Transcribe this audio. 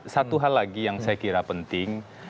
satu hal lagi yang saya kira penting